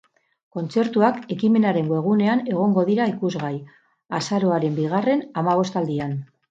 Kontzertuak ekimenaren webgunean egongo dira ikusgai, azaroaren bigarren hamabostaldian.